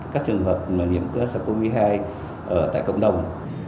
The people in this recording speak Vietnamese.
các trường hợp nhiễm sars cov hai ở tại cộng đồng